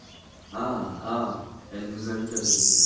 Ah ! ah ! elle nous invite à venir.